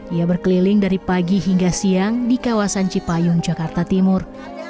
ia berkeliling dari pagi hingga siang di kawasan cipayung jakarta timur